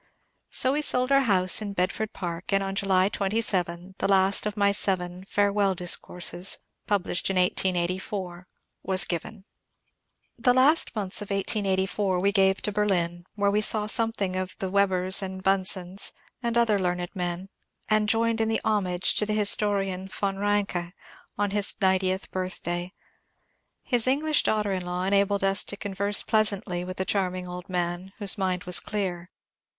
So we sold our house in Bedford Park, and on July 27 the last of my seven " Farewell Discourses " (pub lished 1884) was given. The last months of 1884 we gave to Berlin, where we saw something of the Webers and Bunsens, and other learned men, and joined in the homage to the historian Von Ranke on his ninetieth birthday. His English daughter in law enabled us to converse pleasantly with the charming old man, whose mind was clear.